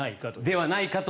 ではないかと。